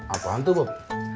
apaan tuh bob